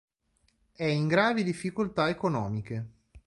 È in gravi difficoltà economiche.